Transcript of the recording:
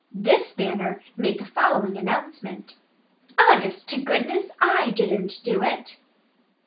This banner made the following announcement: HONEST TO GOODNESS, I DIDN'T DO IT!